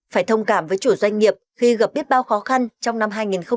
phải thông cảm với chủ doanh nghiệp khi gặp biết bao khó khăn trong năm hai nghìn một mươi chín